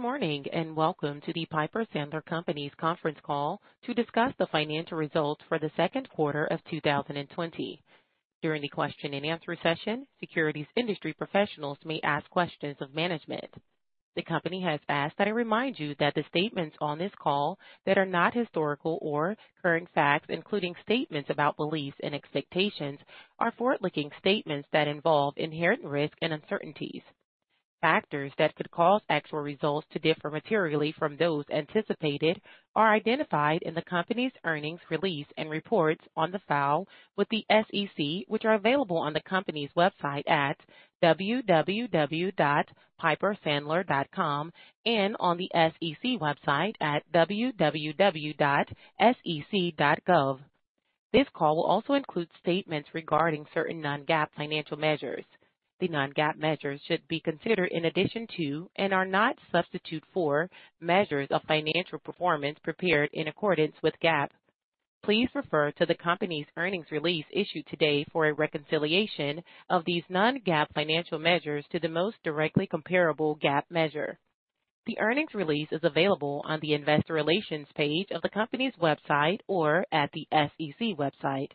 Good morning and welcome to the Piper Sandler Companies conference call to discuss the financial results for the second quarter of 2020. During the question-and-answer session, securities industry professionals may ask questions of management. The company has asked that I remind you that the statements on this call that are not historical or current facts, including statements about beliefs and expectations, are forward-looking statements that involve inherent risk and uncertainties. Factors that could cause actual results to differ materially from those anticipated are identified in the company's earnings release and reports filed with the SEC, which are available on the company's website at www.pipersandler.com and on the SEC website at www.sec.gov. This call will also include statements regarding certain non-GAAP financial measures. The non-GAAP measures should be considered in addition to and are not substitute for measures of financial performance prepared in accordance with GAAP. Please refer to the company's earnings release issued today for a reconciliation of these non-GAAP financial measures to the most directly comparable GAAP measure. The earnings release is available on the investor relations page of the company's website or at the SEC website.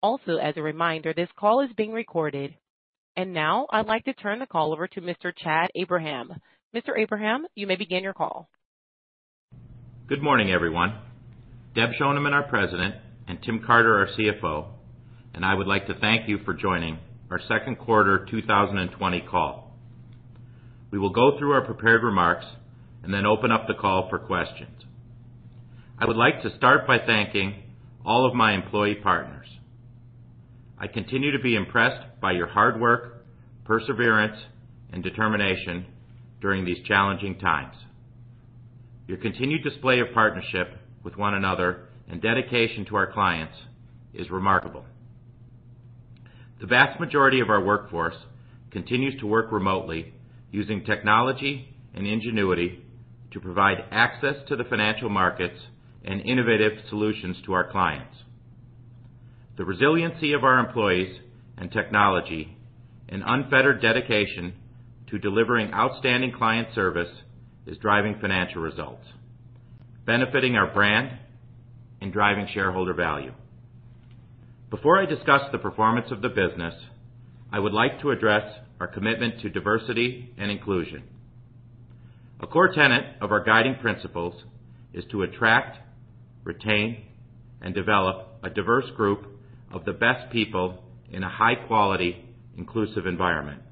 Also, as a reminder, this call is being recorded. And now I'd like to turn the call over to Mr. Chad Abraham. Mr. Abraham, you may begin your call. Good morning, everyone. Deb Schoneman, our President, and Tim Carter, our CFO, and I would like to thank you for joining our second quarter 2020 call. We will go through our prepared remarks and then open up the call for questions. I would like to start by thanking all of my employee partners. I continue to be impressed by your hard work, perseverance, and determination during these challenging times. Your continued display of partnership with one another and dedication to our clients is remarkable. The vast majority of our workforce continues to work remotely using technology and ingenuity to provide access to the financial markets and innovative solutions to our clients. The resiliency of our employees and technology and unfettered dedication to delivering outstanding client service is driving financial results, benefiting our brand, and driving shareholder value. Before I discuss the performance of the business, I would like to address our commitment to diversity and inclusion. A core tenet of our guiding principles is to attract, retain, and develop a diverse group of the best people in a high-quality, inclusive environment.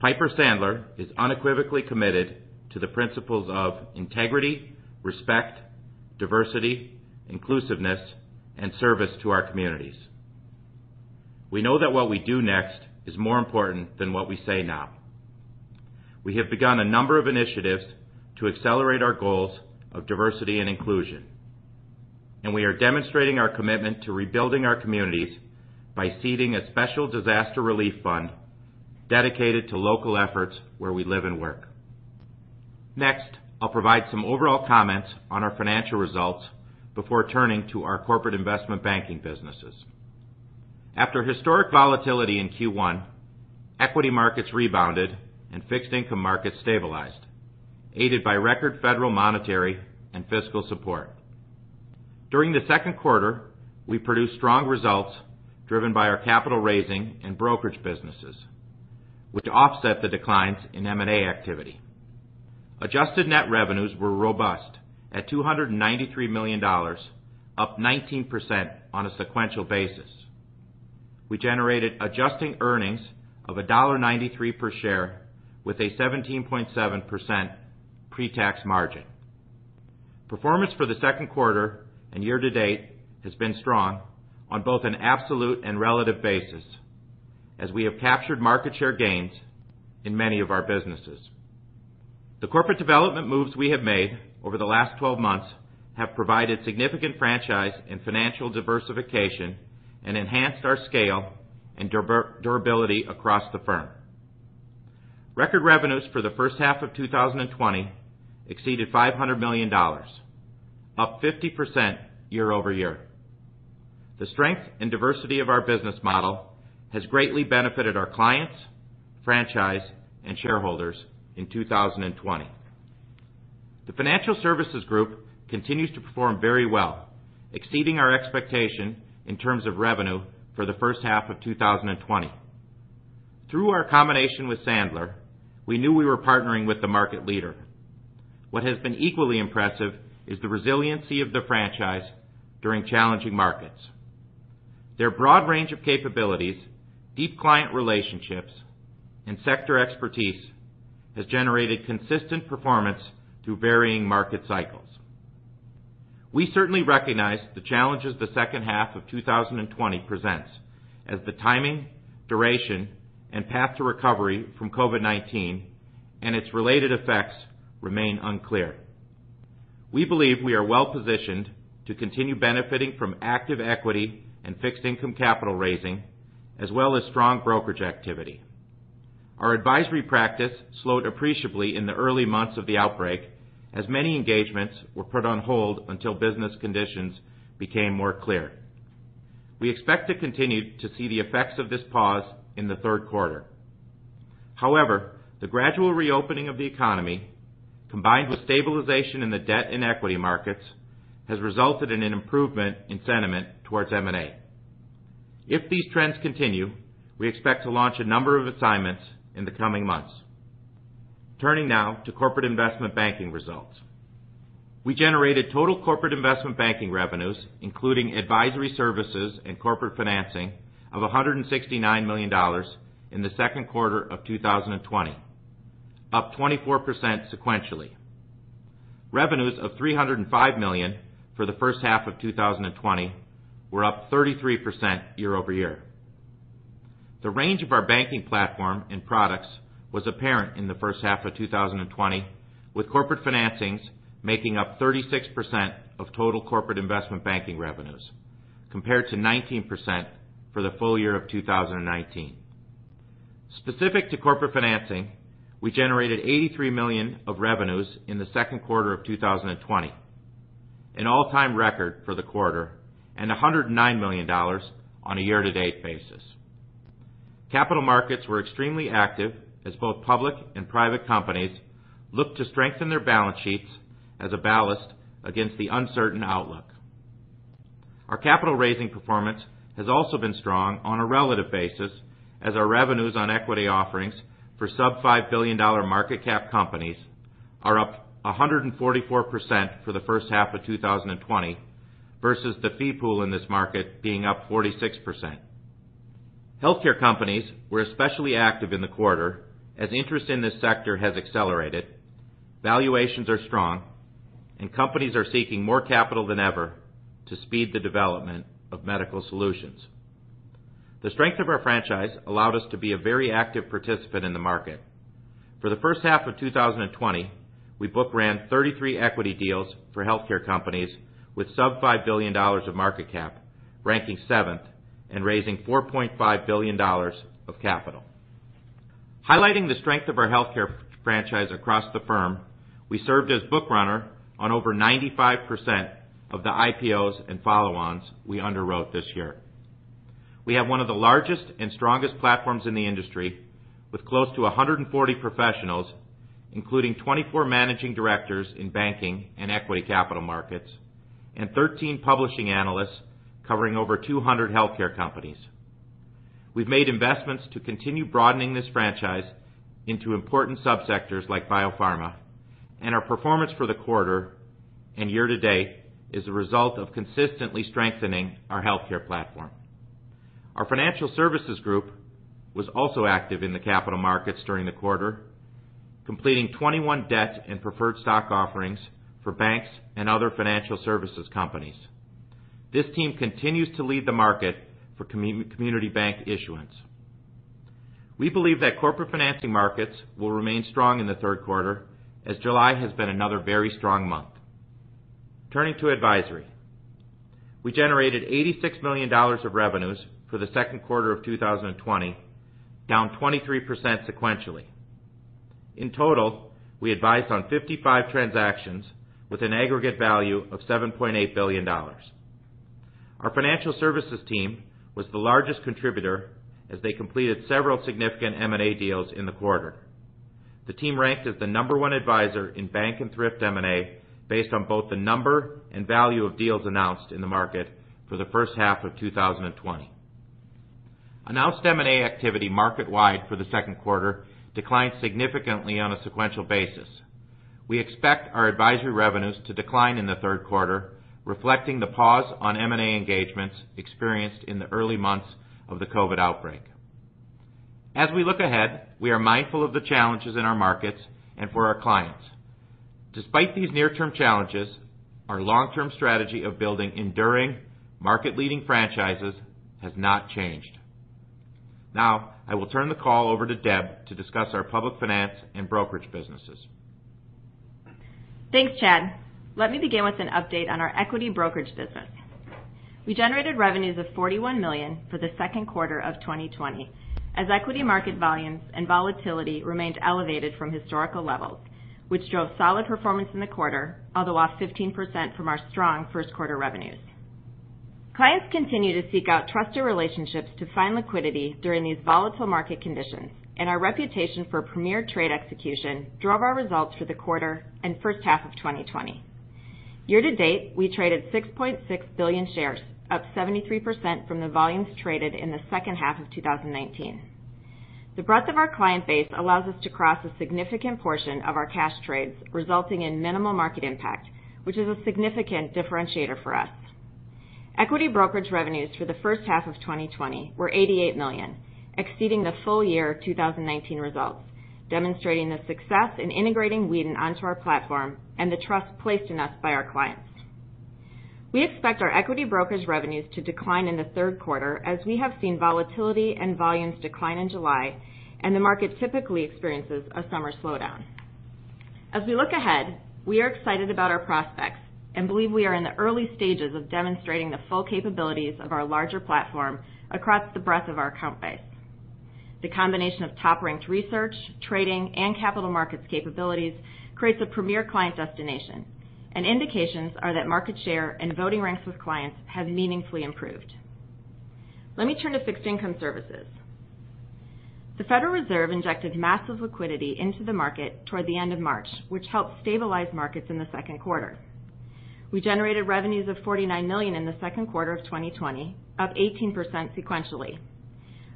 Piper Sandler is unequivocally committed to the principles of integrity, respect, diversity, inclusiveness, and service to our communities. We know that what we do next is more important than what we say now. We have begun a number of initiatives to accelerate our goals of diversity and inclusion. And we are demonstrating our commitment to rebuilding our communities by seeding a special disaster relief fund dedicated to local efforts where we live and work. Next, I'll provide some overall comments on our financial results before turning to our corporate investment banking businesses. After historic volatility in Q1, equity markets rebounded and fixed income markets stabilized, aided by record federal monetary and fiscal support. During the second quarter, we produced strong results driven by our capital raising and brokerage businesses, which offset the declines in M&A activity. Adjusted net revenues were robust at $293 million, up 19% on a sequential basis. We generated adjusted earnings of $1.93 per share with a 17.7% pre-tax margin. Performance for the second quarter and year-to-date has been strong on both an absolute and relative basis as we have captured market share gains in many of our businesses. The corporate development moves we have made over the last 12 months have provided significant franchise and financial diversification and enhanced our scale and durability across the firm. Record revenues for the first half of 2020 exceeded $500 million, up 50% year-over-year. The strength and diversity of our business model has greatly benefited our clients, franchise, and shareholders in 2020. The financial services group continues to perform very well, exceeding our expectation in terms of revenue for the first half of 2020. Through our combination with Sandler, we knew we were partnering with the market leader. What has been equally impressive is the resiliency of the franchise during challenging markets. Their broad range of capabilities, deep client relationships, and sector expertise has generated consistent performance through varying market cycles. We certainly recognize the challenges the second half of 2020 presents as the timing, duration, and path to recovery from COVID-19 and its related effects remain unclear. We believe we are well positioned to continue benefiting from active equity and fixed income capital raising as well as strong brokerage activity. Our Advisory practice slowed appreciably in the early months of the outbreak as many engagements were put on hold until business conditions became more clear. We expect to continue to see the effects of this pause in the third quarter. However, the gradual reopening of the economy, combined with stabilization in the debt and equity markets, has resulted in an improvement in sentiment towards M&A. If these trends continue, we expect to launch a number of assignments in the coming months. Turning now to corporate investment banking results. We generated total corporate investment banking revenues, including Advisory services and corporate financing, of $169 million in the second quarter of 2020, up 24% sequentially. Revenues of $305 million for the first half of 2020 were up 33% year-over-year. The range of our banking platform and products was apparent in the first half of 2020, with corporate financings making up 36% of total corporate investment banking revenues, compared to 19% for the full year of 2019. Specific to corporate financing, we generated $83 million of revenues in the second quarter of 2020, an all-time record for the quarter, and $109 million on a year-to-date basis. Capital markets were extremely active as both public and private companies looked to strengthen their balance sheets as a ballast against the uncertain outlook. Our capital raising performance has also been strong on a relative basis as our revenues on equity offerings for sub-$5 billion market cap companies are up 144% for the first half of 2020 versus the fee pool in this market being up 46%. Healthcare companies were especially active in the quarter as interest in this sector has accelerated, valuations are strong, and companies are seeking more capital than ever to speed the development of medical solutions. The strength of our franchise allowed us to be a very active participant in the market. For the first half of 2020, we booked around 33 equity deals for healthcare companies with sub-$5 billion of market cap, ranking seventh and raising $4.5 billion of capital. Highlighting the strength of our healthcare franchise across the firm, we served as book runner on over 95% of the IPOs and follow-ons we underwrote this year. We have one of the largest and strongest platforms in the industry with close to 140 professionals, including 24 managing directors in banking and equity capital markets and 13 publishing analysts covering over 200 healthcare companies. We've made investments to continue broadening this franchise into important subsectors like biopharma, and our performance for the quarter and year-to-date is a result of consistently strengthening our healthcare platform. Our financial services group was also active in the capital markets during the quarter, completing 21 debt and preferred stock offerings for banks and other financial services companies. This team continues to lead the market for community bank issuance. We believe that corporate financing markets will remain strong in the third quarter as July has been another very strong month. Turning to Advisory, we generated $86 million of revenues for the second quarter of 2020, down 23% sequentially. In total, we advised on 55 transactions with an aggregate value of $7.8 billion. Our financial services team was the largest contributor as they completed several significant M&A deals in the quarter. The team ranked as the number one advisor in bank and thrift M&A based on both the number and value of deals announced in the market for the first half of 2020. Announced M&A activity market-wide for the second quarter declined significantly on a sequential basis. We expect our Advisory revenues to decline in the third quarter, reflecting the pause on M&A engagements experienced in the early months of the COVID outbreak. As we look ahead, we are mindful of the challenges in our markets and for our clients. Despite these near-term challenges, our long-term strategy of building enduring, market-leading franchises has not changed. Now, I will turn the call over to Deb to discuss our public finance and brokerage businesses. Thanks, Chad. Let me begin with an update on our equity brokerage business. We generated revenues of $41 million for the second quarter of 2020 as equity market volumes and volatility remained elevated from historical levels, which drove solid performance in the quarter, although off 15% from our strong first quarter revenues. Clients continue to seek out trusted relationships to find liquidity during these volatile market conditions, and our reputation for premier trade execution drove our results for the quarter and first half of 2020. Year-to-date, we traded 6.6 billion shares, up 73% from the volumes traded in the second half of 2019. The breadth of our client base allows us to cross a significant portion of our cash trades, resulting in minimal market impact, which is a significant differentiator for us. Equity brokerage revenues for the first half of 2020 were $88 million, exceeding the full year 2019 results, demonstrating the success in integrating Weeden onto our platform and the trust placed in us by our clients. We expect our equity brokerage revenues to decline in the third quarter as we have seen volatility and volumes decline in July, and the market typically experiences a summer slowdown. As we look ahead, we are excited about our prospects and believe we are in the early stages of demonstrating the full capabilities of our larger platform across the breadth of our client base. The combination of top-ranked research, trading, and capital markets capabilities creates a premier client destination, and indications are that market share and voting ranks with clients have meaningfully improved. Let me turn to fixed income services. The Federal Reserve injected massive liquidity into the market toward the end of March, which helped stabilize markets in the second quarter. We generated revenues of $49 million in the second quarter of 2020, up 18% sequentially.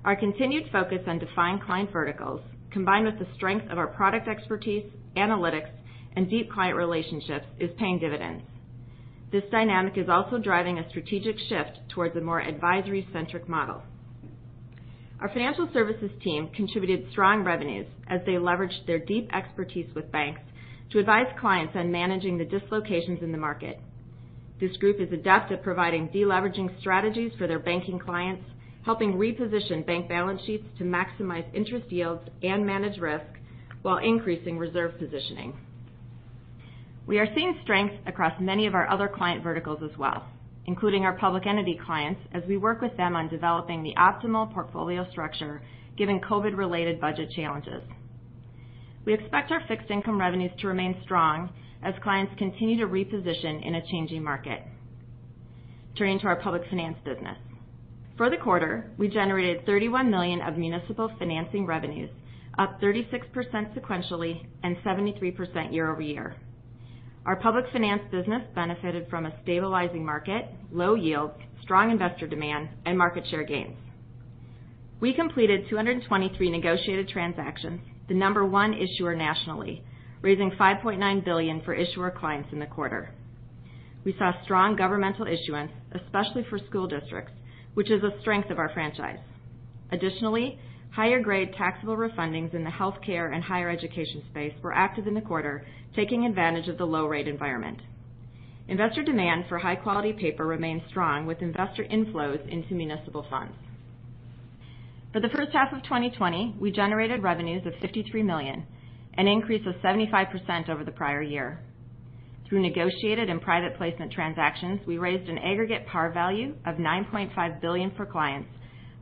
Our continued focus on defined client verticals, combined with the strength of our product expertise, analytics, and deep client relationships, is paying dividends. This dynamic is also driving a strategic shift towards a more Advisory-centric model. Our financial services team contributed strong revenues as they leveraged their deep expertise with banks to advise clients on managing the dislocations in the market. This group is adept at providing de-leveraging strategies for their banking clients, helping reposition bank balance sheets to maximize interest yields and manage risk while increasing reserve positioning. We are seeing strength across many of our other client verticals as well, including our public entity clients, as we work with them on developing the optimal portfolio structure given COVID-related budget challenges. We expect our fixed income revenues to remain strong as clients continue to reposition in a changing market. Turning to our public finance business. For the quarter, we generated $31 million of municipal financing revenues, up 36% sequentially and 73% year-over-year. Our public finance business benefited from a stabilizing market, low yields, strong investor demand, and market share gains. We completed 223 negotiated transactions, the number one issuer nationally, raising $5.9 billion for issuer clients in the quarter. We saw strong governmental issuance, especially for school districts, which is a strength of our franchise. Additionally, higher-grade taxable refundings in the healthcare and higher education space were active in the quarter, taking advantage of the low-rate environment. Investor demand for high-quality paper remained strong with investor inflows into municipal funds. For the first half of 2020, we generated revenues of $53 million, an increase of 75% over the prior year. Through negotiated and private placement transactions, we raised an aggregate par value of $9.5 billion for clients,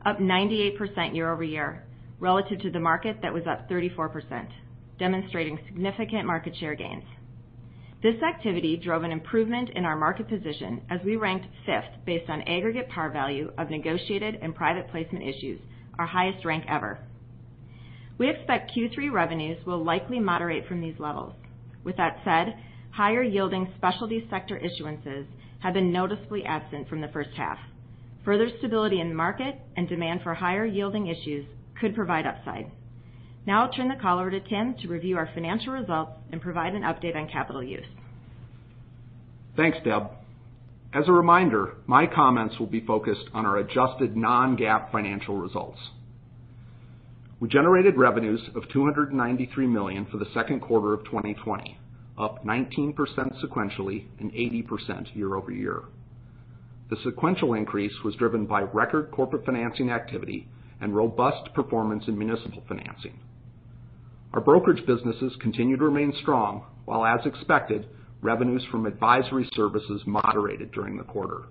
up 98% year-over-year relative to the market that was up 34%, demonstrating significant market share gains. This activity drove an improvement in our market position as we ranked fifth based on aggregate par value of negotiated and private placement issues, our highest rank ever. We expect Q3 revenues will likely moderate from these levels. With that said, higher-yielding specialty sector issuances have been noticeably absent from the first half. Further stability in the market and demand for higher-yielding issues could provide upside. Now, I'll turn the call over to Tim to review our financial results and provide an update on capital use. Thanks, Deb. As a reminder, my comments will be focused on our adjusted non-GAAP financial results. We generated revenues of $293 million for the second quarter of 2020, up 19% sequentially and 80% year-over-year. The sequential increase was driven by record corporate financing activity and robust performance in municipal financing. Our brokerage businesses continue to remain strong while, as expected, revenues from Advisory services moderated during the quarter.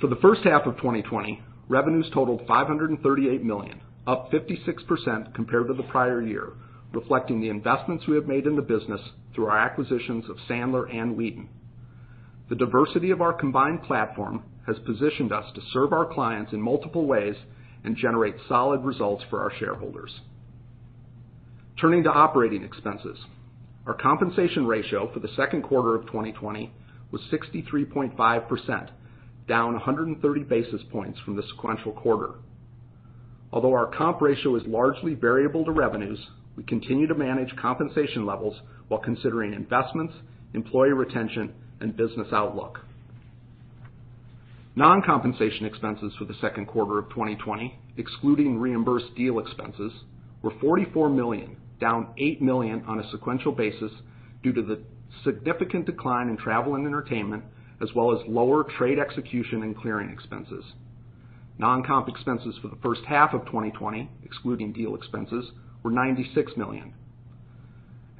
For the first half of 2020, revenues totaled $538 million, up 56% compared to the prior year, reflecting the investments we have made in the business through our acquisitions of Sandler and Weeden. The diversity of our combined platform has positioned us to serve our clients in multiple ways and generate solid results for our shareholders. Turning to operating expenses, our compensation ratio for the second quarter of 2020 was 63.5%, down 130 basis points from the sequential quarter. Although our comp ratio is largely variable to revenues, we continue to manage compensation levels while considering investments, employee retention, and business outlook. Non-compensation expenses for the second quarter of 2020, excluding reimbursed deal expenses, were $44 million, down $8 million on a sequential basis due to the significant decline in travel and entertainment, as well as lower trade execution and clearing expenses. Non-comp expenses for the first half of 2020, excluding deal expenses, were $96 million.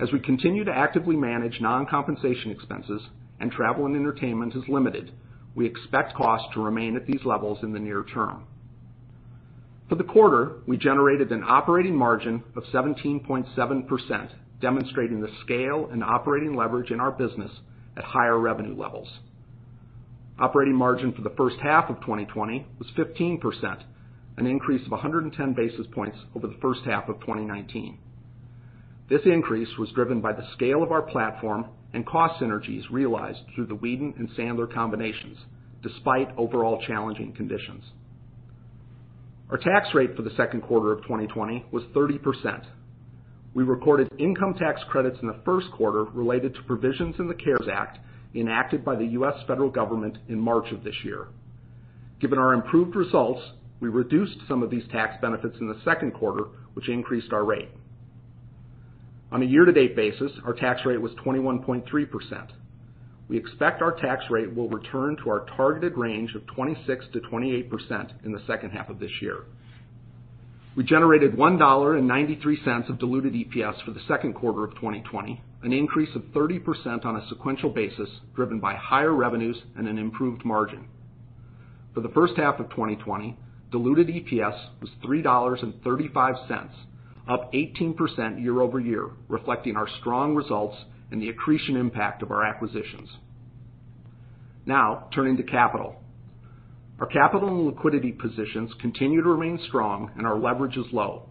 As we continue to actively manage non-compensation expenses and travel and entertainment is limited, we expect costs to remain at these levels in the near term. For the quarter, we generated an operating margin of 17.7%, demonstrating the scale and operating leverage in our business at higher revenue levels. Operating margin for the first half of 2020 was 15%, an increase of 110 basis points over the first half of 2019. This increase was driven by the scale of our platform and cost synergies realized through the Weeden and Sandler combinations, despite overall challenging conditions. Our tax rate for the second quarter of 2020 was 30%. We recorded income tax credits in the first quarter related to provisions in the CARES Act enacted by the U.S. federal government in March of this year. Given our improved results, we reduced some of these tax benefits in the second quarter, which increased our rate. On a year-to-date basis, our tax rate was 21.3%. We expect our tax rate will return to our targeted range of 26%-28% in the second half of this year. We generated $1.93 of diluted EPS for the second quarter of 2020, an increase of 30% on a sequential basis driven by higher revenues and an improved margin. For the first half of 2020, diluted EPS was $3.35, up 18% year-over-year, reflecting our strong results and the accretion impact of our acquisitions. Now, turning to capital. Our capital and liquidity positions continue to remain strong, and our leverage is low.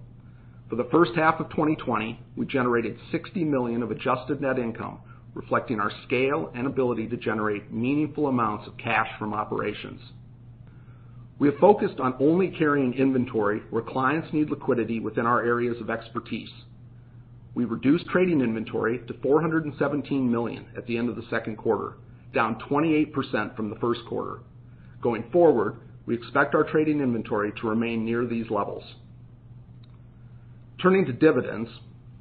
For the first half of 2020, we generated $60 million of adjusted net income, reflecting our scale and ability to generate meaningful amounts of cash from operations. We have focused on only carrying inventory where clients need liquidity within our areas of expertise. We reduced trading inventory to $417 million at the end of the second quarter, down 28% from the first quarter. Going forward, we expect our trading inventory to remain near these levels. Turning to dividends,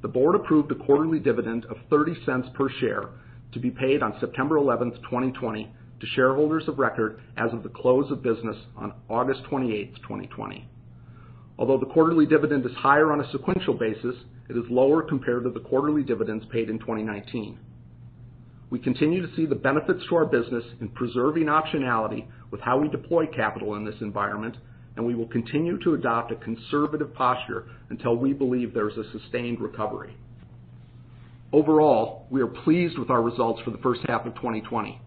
the board approved a quarterly dividend of $0.30 per share to be paid on September 11, 2020, to shareholders of record as of the close of business on August 28, 2020. Although the quarterly dividend is higher on a sequential basis, it is lower compared to the quarterly dividends paid in 2019. We continue to see the benefits to our business in preserving optionality with how we deploy capital in this environment, and we will continue to adopt a conservative posture until we believe there is a sustained recovery. Overall, we are pleased with our results for the first half of 2020.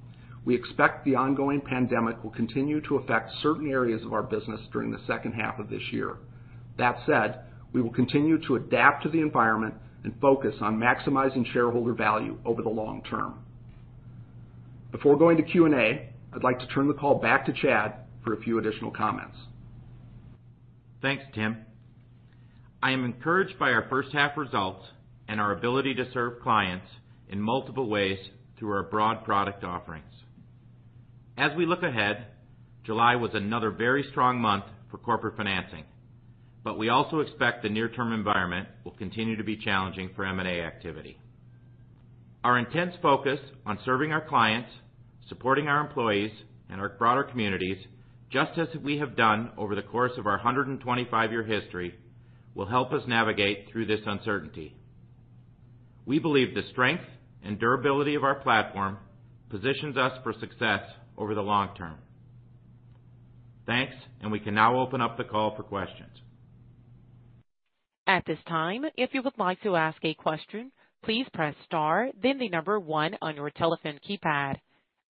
We expect the ongoing pandemic will continue to affect certain areas of our business during the second half of this year. That said, we will continue to adapt to the environment and focus on maximizing shareholder value over the long term. Before going to Q&A, I'd like to turn the call back to Chad for a few additional comments. Thanks, Tim. I am encouraged by our first-half results and our ability to serve clients in multiple ways through our broad product offerings. As we look ahead, July was another very strong month for corporate financing, but we also expect the near-term environment will continue to be challenging for M&A activity. Our intense focus on serving our clients, supporting our employees, and our broader communities, just as we have done over the course of our 125-year history, will help us navigate through this uncertainty. We believe the strength and durability of our platform positions us for success over the long term. Thanks, and we can now open up the call for questions. At this time, if you would like to ask a question, please press Star, then the number One on your telephone keypad.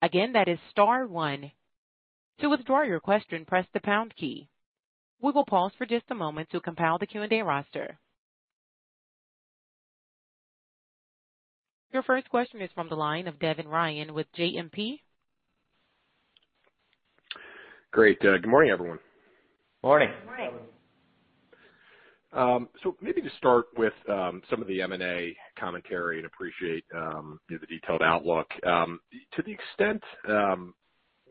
Again, that is Star One. To withdraw your question, press the pound key. We will pause for just a moment to compile the Q&A roster. Your first question is from the line of Devin Ryan with JMP. Great. Good morning, everyone. Morning. Morning. So maybe to start with some of the M&A commentary, and appreciate the detailed outlook. To the extent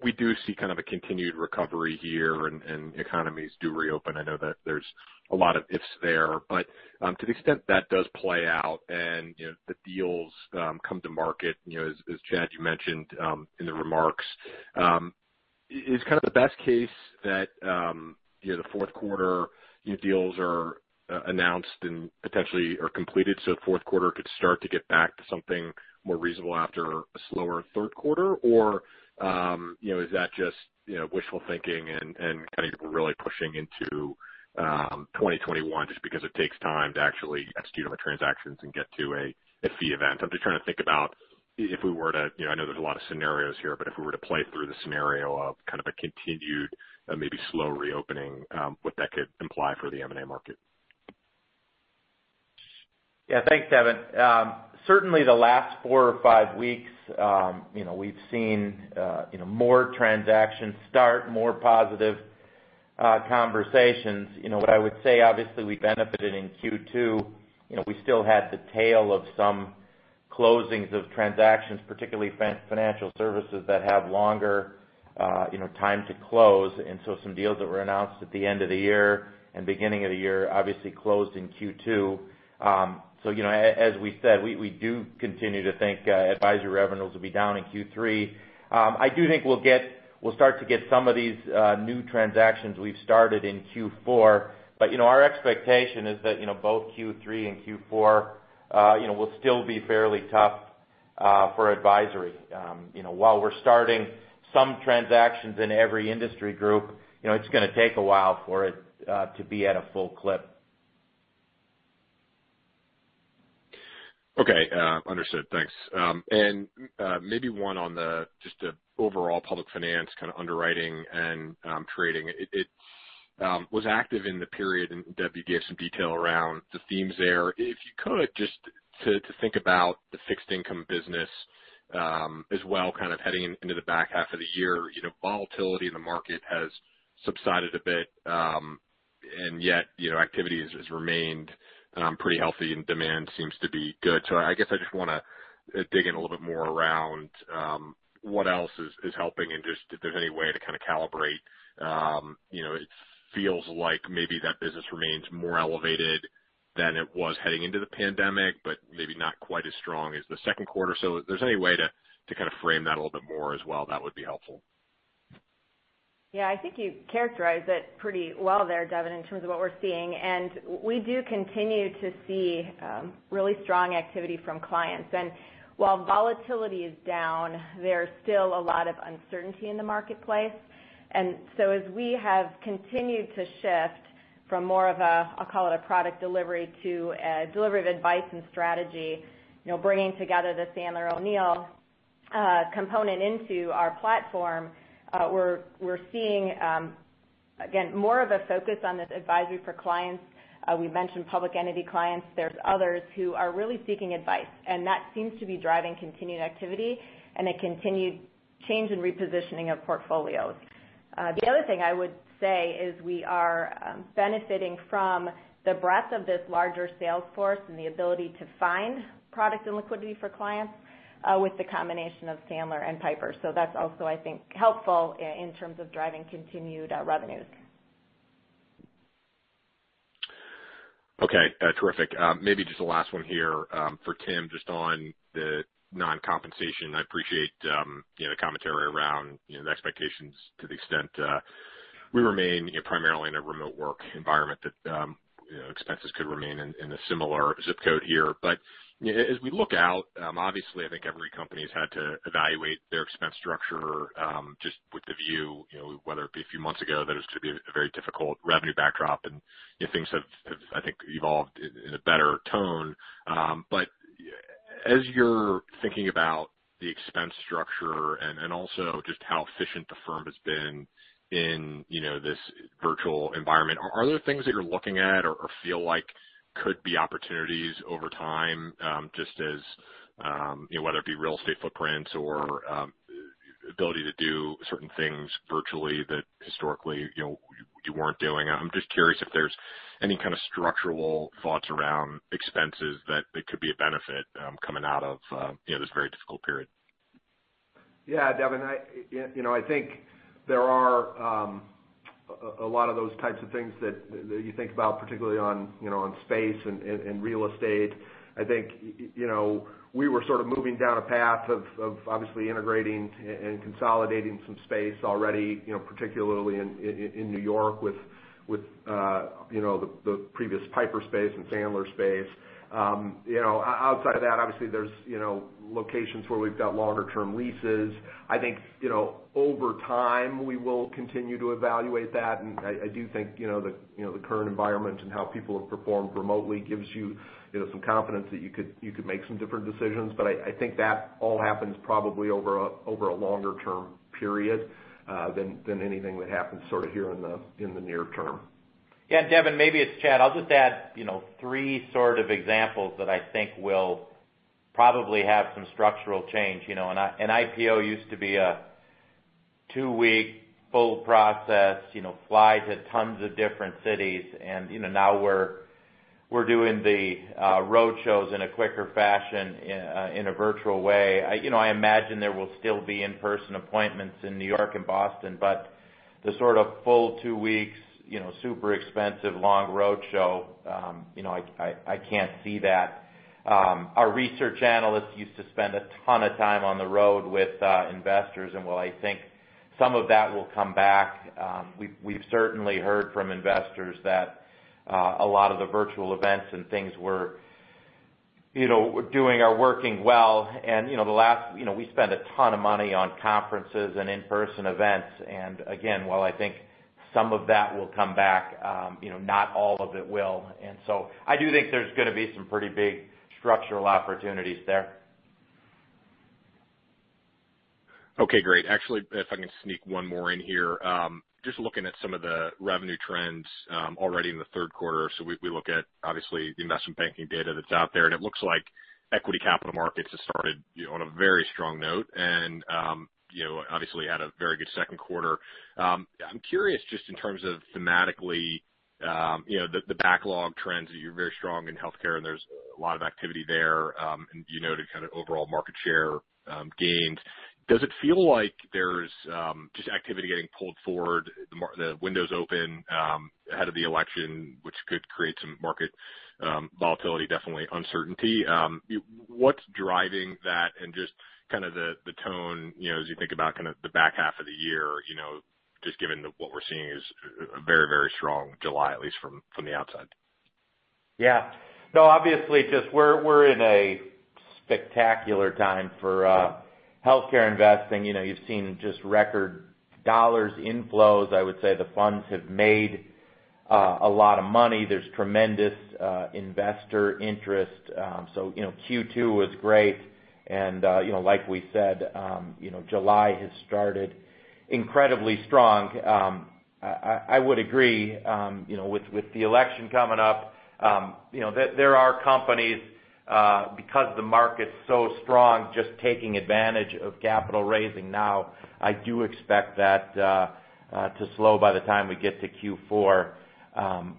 we do see kind of a continued recovery here and economies do reopen, I know that there's a lot of ifs there. But to the extent that does play out and the deals come to market, as Chad, you mentioned in the remarks, is kind of the best case that the fourth quarter deals are announced and potentially are completed so the fourth quarter could start to get back to something more reasonable after a slower third quarter? Or is that just wishful thinking and kind of really pushing into 2021 just because it takes time to actually execute on the transactions and get to a fee event? I'm just trying to think about if we were to. I know there's a lot of scenarios here. But if we were to play through the scenario of kind of a continued, maybe slow reopening, what that could imply for the M&A market. Yeah. Thanks, Devin. Certainly, the last four or five weeks, we've seen more transactions start, more positive conversations. What I would say, obviously, we benefited in Q2. We still had the tail of some closings of transactions, particularly financial services that have longer time to close, and so some deals that were announced at the end of the year and beginning of the year obviously closed in Q2, so as we said, we do continue to think Advisory revenues will be down in Q3. I do think we'll start to get some of these new transactions we've started in Q4, but our expectation is that both Q3 and Q4 will still be fairly tough for Advisory. While we're starting some transactions in every industry group, it's going to take a while for it to be at a full clip. Okay. Understood. Thanks, and maybe one on just the overall public finance kind of underwriting and trading. It was active in the period that you gave some detail around the themes there. If you could, just to think about the fixed income business as well, kind of heading into the back half of the year, volatility in the market has subsided a bit, and yet activity has remained pretty healthy and demand seems to be good, so I guess I just want to dig in a little bit more around what else is helping and just if there's any way to kind of calibrate. It feels like maybe that business remains more elevated than it was heading into the pandemic, but maybe not quite as strong as the second quarter, so if there's any way to kind of frame that a little bit more as well, that would be helpful. Yeah. I think you characterized it pretty well there, Devin, in terms of what we're seeing. And we do continue to see really strong activity from clients. And while volatility is down, there's still a lot of uncertainty in the marketplace. And so as we have continued to shift from more of a - I'll call it a product delivery - to a delivery of advice and strategy, bringing together the Sandler O'Neill component into our platform, we're seeing, again, more of a focus on this Advisory for clients. We mentioned public entity clients. There's others who are really seeking advice. And that seems to be driving continued activity and a continued change and repositioning of portfolios. The other thing I would say is we are benefiting from the breadth of this larger sales force and the ability to find product and liquidity for clients with the combination of Sandler and Piper. So that's also, I think, helpful in terms of driving continued revenues. Okay. Terrific. Maybe just the last one here for Tim, just on the non-compensation. I appreciate the commentary around the expectations to the extent we remain primarily in a remote work environment that expenses could remain in a similar zip code here. But as we look out, obviously, I think every company has had to evaluate their expense structure just with the view, whether it be a few months ago, that it was going to be a very difficult revenue backdrop, and things have, I think, evolved in a better tone. But as you're thinking about the expense structure and also just how efficient the firm has been in this virtual environment, are there things that you're looking at or feel like could be opportunities over time, just as whether it be real estate footprints or ability to do certain things virtually that historically you weren't doing? I'm just curious if there's any kind of structural thoughts around expenses that could be a benefit coming out of this very difficult period? Yeah. Devin, I think there are a lot of those types of things that you think about, particularly on space and real estate. I think we were sort of moving down a path of obviously integrating and consolidating some space already, particularly in New York with the previous Piper space and Sandler space. Outside of that, obviously, there's locations where we've got longer-term leases. I think over time, we will continue to evaluate that. And I do think the current environment and how people have performed remotely gives you some confidence that you could make some different decisions. But I think that all happens probably over a longer-term period than anything that happens sort of here in the near term. Yeah. Devin, maybe, it's Chad. I'll just add three sort of examples that I think will probably have some structural change. An IPO used to be a two-week full process, fly to tons of different cities. Now we're doing the roadshows in a quicker fashion in a virtual way. I imagine there will still be in-person appointments in New York and Boston. But the sort of full two weeks, super expensive, long roadshow, I can't see that. Our research analysts used to spend a ton of time on the road with investors, and well, I think some of that will come back. We've certainly heard from investors that a lot of the virtual events and things we're doing are working well, and lastly we spent a ton of money on conferences and in-person events. And again, well, I think some of that will come back. Not all of it will, and so I do think there's going to be some pretty big structural opportunities there. Okay. Great. Actually, if I can sneak one more in here. Just looking at some of the revenue trends already in the third quarter. So we look at, obviously, the investment banking data that's out there. And it looks like equity capital markets have started on a very strong note and obviously had a very good second quarter. I'm curious just in terms of thematically the backlog trends that you're very strong in healthcare, and there's a lot of activity there. And you noted kind of overall market share gains. Does it feel like there's just activity getting pulled forward, the windows open ahead of the election, which could create some market volatility, definitely uncertainty? What's driving that and just kind of the tone as you think about kind of the back half of the year, just given what we're seeing is a very, very strong July, at least from the outside? Yeah. No, obviously, just we're in a spectacular time for healthcare investing. You've seen just record dollars inflows. I would say the funds have made a lot of money. There's tremendous investor interest. So Q2 was great. And like we said, July has started incredibly strong. I would agree with the election coming up. There are companies, because the market's so strong, just taking advantage of capital raising now. I do expect that to slow by the time we get to Q4.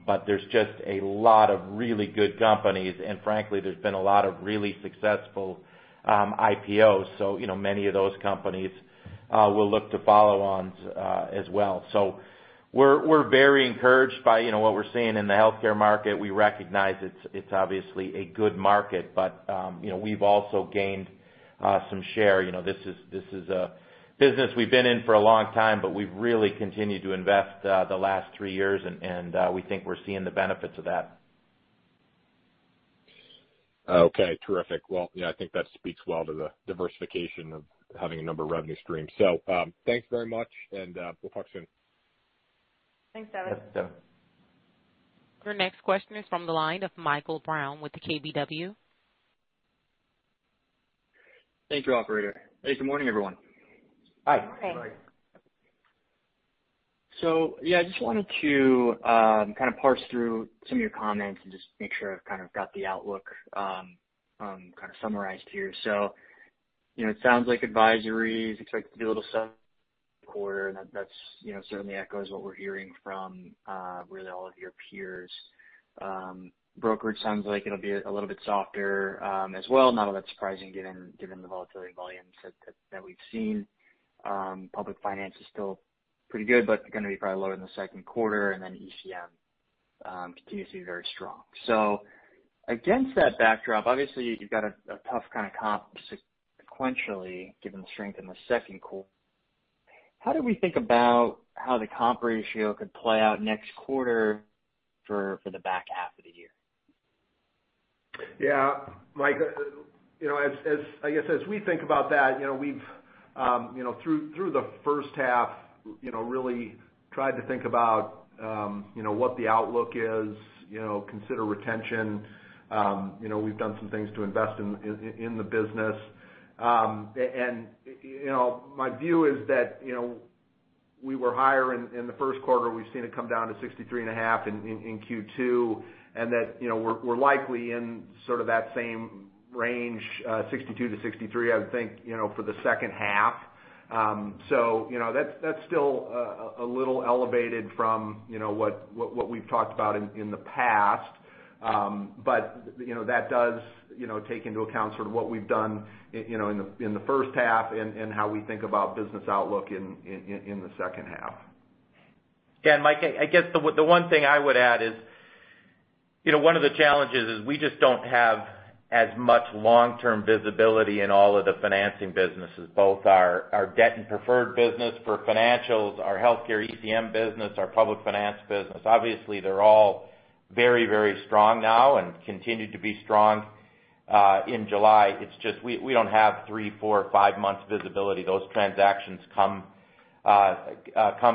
But there's just a lot of really good companies. And frankly, there's been a lot of really successful IPOs. So many of those companies will look to follow on as well. So we're very encouraged by what we're seeing in the healthcare market. We recognize it's obviously a good market, but we've also gained some share. This is a business we've been in for a long time, but we've really continued to invest the last three years, and we think we're seeing the benefits of that. Okay. Terrific. Well, yeah, I think that speaks well to the diversification of having a number of revenue streams. So thanks very much, and we'll talk soon. Thanks, Devin. Thanks, Devin. Your next question is from the line of Michael Brown with the KBW. Thank you, Operator. Hey, good morning, everyone. Hi. Morning. Hi. So yeah, I just wanted to kind of parse through some of your comments and just make sure I've kind of got the outlook kind of summarized here. So it sounds like Advisory is expected to be a little soft quarter. And that certainly echoes what we're hearing from really all of your peers. Brokerage sounds like it'll be a little bit softer as well. Not all that surprising given the volatility volumes that we've seen. Public finance is still pretty good, but going to be probably lower in the second quarter. And then ECM continues to be very strong. So against that backdrop, obviously, you've got a tough kind of comp sequentially given the strength in the second quarter. How do we think about how the comp ratio could play out next quarter for the back half of the year? Yeah. Mike, I guess as we think about that, we've through the first half really tried to think about what the outlook is, consider retention. We've done some things to invest in the business. And my view is that we were higher in the first quarter. We've seen it come down to 63.5% in Q2, and that we're likely in sort of that same range, 62%-63%, I would think, for the second half. So that's still a little elevated from what we've talked about in the past. But that does take into account sort of what we've done in the first half and how we think about business outlook in the second half. Yeah, and Mike, I guess the one thing I would add is one of the challenges is we just don't have as much long-term visibility in all of the financing businesses. Both our debt and preferred business for financials, our healthcare ECM business, our public finance business, obviously, they're all very, very strong now and continue to be strong in July. It's just we don't have three, four, five months visibility. Those transactions come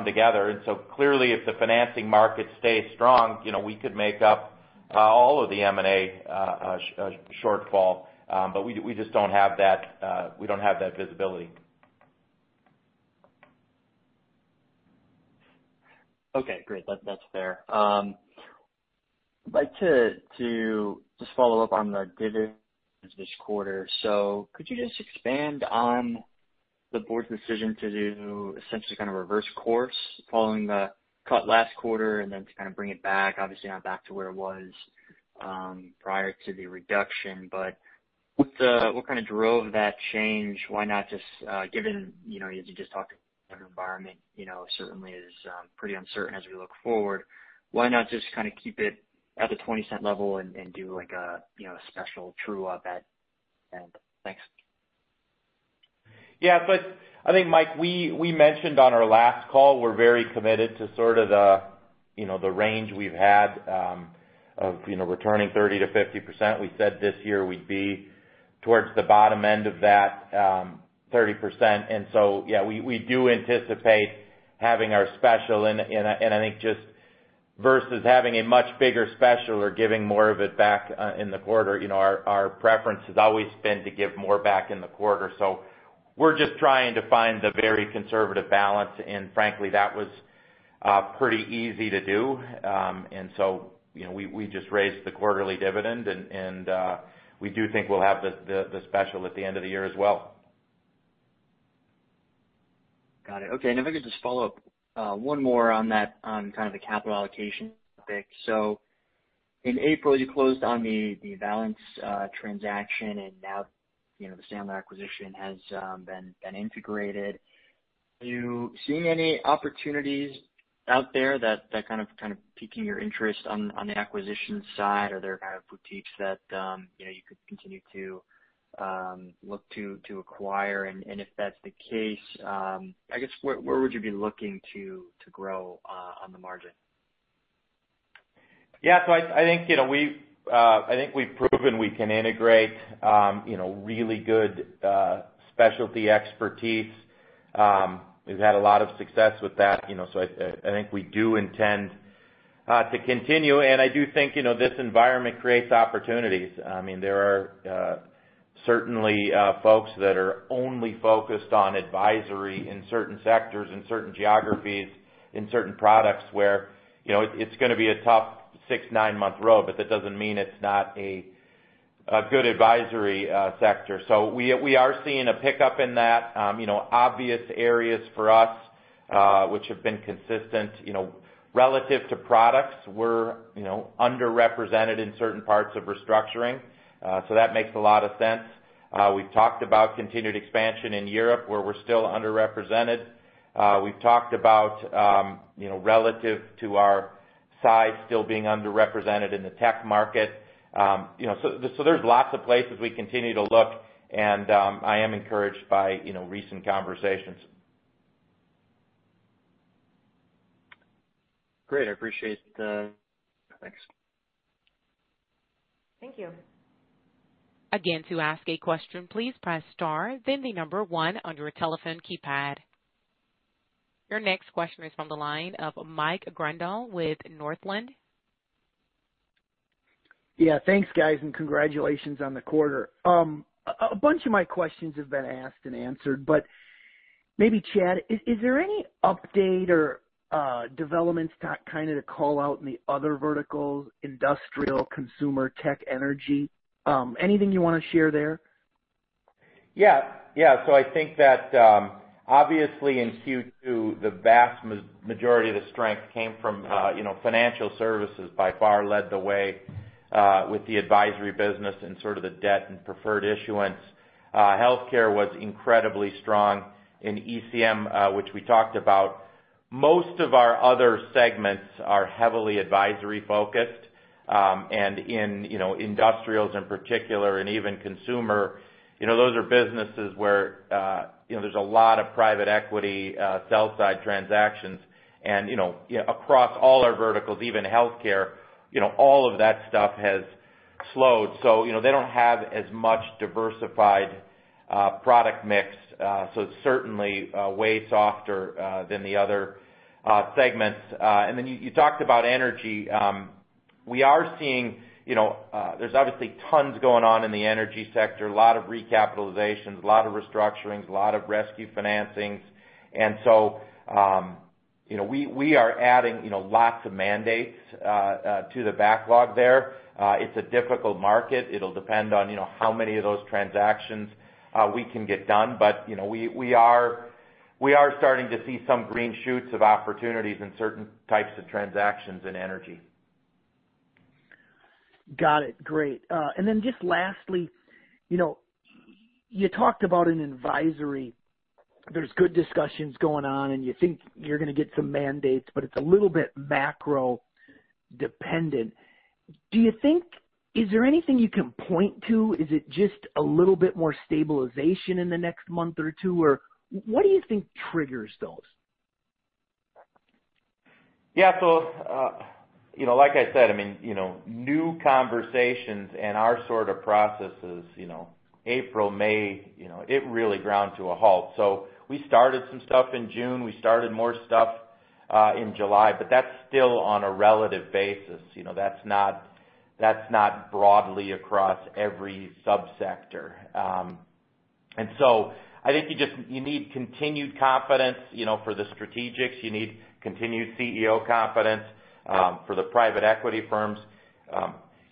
together. And so clearly, if the financing market stays strong, we could make up all of the M&A shortfall. But we just don't have that visibility. Okay. Great. That's fair. I'd like to just follow up on the dividends this quarter. So could you just expand on the board's decision to do essentially kind of reverse course following the cut last quarter and then to kind of bring it back, obviously, not back to where it was prior to the reduction? But what kind of drove that change? Why not just given as you just talked about, the environment certainly is pretty uncertain as we look forward. Why not just kind of keep it at the $0.20 level and do a special true up at the end? Thanks. Yeah. But I think, Mike, we mentioned on our last call, we're very committed to sort of the range we've had of returning 30%-50%. We said this year we'd be towards the bottom end of that 30%. And so, yeah, we do anticipate having our special. And I think just versus having a much bigger special or giving more of it back in the quarter, our preference has always been to give more back in the quarter. So we're just trying to find the very conservative balance. And frankly, that was pretty easy to do. And so we just raised the quarterly dividend. And we do think we'll have the special at the end of the year as well. Got it. Okay. And if I could just follow up one more on that, on kind of the capital allocation topic. So in April, you closed on the Valence transaction, and now the Sandler acquisition has been integrated. Are you seeing any opportunities out there that are kind of piquing your interest on the acquisition side, or are there kind of boutiques that you could continue to look to acquire? And if that's the case, I guess, where would you be looking to grow on the margin? Yeah. So I think we've proven we can integrate really good specialty expertise. We've had a lot of success with that. So I think we do intend to continue. And I do think this environment creates opportunities. I mean, there are certainly folks that are only focused on Advisory in certain sectors, in certain geographies, in certain products where it's going to be a tough six- to nine-month road. But that doesn't mean it's not a good Advisory sector. So we are seeing a pickup in that. Obvious areas for us, which have been consistent relative to products, we're underrepresented in certain parts of restructuring. So that makes a lot of sense. We've talked about continued expansion in Europe where we're still underrepresented. We've talked about relative to our size still being underrepresented in the tech market. So there's lots of places we continue to look. I am encouraged by recent conversations. Great. I appreciate the. Thanks. Thank you. Again, to ask a question, please press star, then the number one on your telephone keypad. Your next question is from the line of Mike Grondahl with Northland. Yeah. Thanks, guys. And congratulations on the quarter. A bunch of my questions have been asked and answered. But maybe, Chad, is there any update or developments kind of to call out in the other verticals, industrial, consumer, tech, energy? Anything you want to share there? Yeah. Yeah. So I think that obviously in Q2, the vast majority of the strength came from financial services. By far led the way with the Advisory business and sort of the debt and preferred issuance. Healthcare was incredibly strong in ECM, which we talked about. Most of our other segments are heavily Advisory-focused, and in industrials in particular, and even consumer, those are businesses where there's a lot of private equity sell-side transactions, and across all our verticals, even healthcare, all of that stuff has slowed, so they don't have as much diversified product mix, so it's certainly way softer than the other segments, and then you talked about energy. We are seeing there's obviously tons going on in the energy sector, a lot of recapitalizations, a lot of restructurings, a lot of rescue financings, and so we are adding lots of mandates to the backlog there. It's a difficult market. It'll depend on how many of those transactions we can get done, but we are starting to see some green shoots of opportunities in certain types of transactions in energy. Got it. Great. And then just lastly, you talked about an advisory. There's good discussions going on, and you think you're going to get some mandates, but it's a little bit macro-dependent. Do you think is there anything you can point to? Is it just a little bit more stabilization in the next month or two? Or what do you think triggers those? Yeah. So like I said, I mean, new conversations and our sort of processes, April, May, it really ground to a halt. So we started some stuff in June. We started more stuff in July. But that's still on a relative basis. That's not broadly across every subsector. And so I think you need continued confidence for the strategics. You need continued CEO confidence for the private equity firms.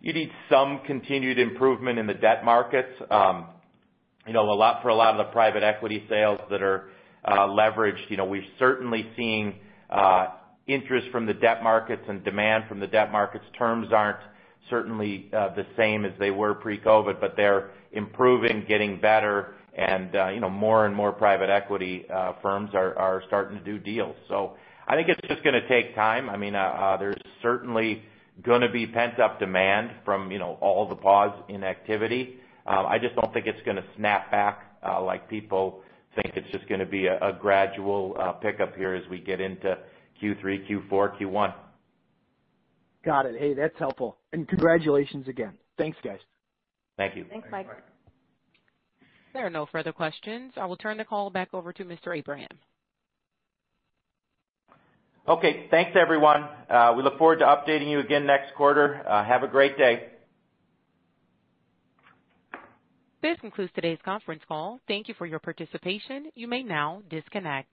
You need some continued improvement in the debt markets. A lot for a lot of the private equity sales that are leveraged. We're certainly seeing interest from the debt markets and demand from the debt markets. Terms aren't certainly the same as they were pre-COVID, but they're improving, getting better. And more and more private equity firms are starting to do deals. So I think it's just going to take time. I mean, there's certainly going to be pent-up demand from all the pause in activity. I just don't think it's going to snap back like people think. It's just going to be a gradual pickup here as we get into Q3, Q4, Q1. Got it. Hey, that's helpful and congratulations again. Thanks, guys. Thank you. Thanks, Mike. There are no further questions. I will turn the call back over to Mr. Abraham. Okay. Thanks, everyone. We look forward to updating you again next quarter. Have a great day. This concludes today's conference call. Thank you for your participation. You may now disconnect.